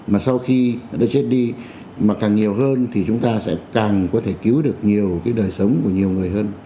mà sau khi nó chết đi mà càng nhiều hơn thì chúng ta sẽ càng có thể cứu được nhiều cái đời sống của nhiều người hơn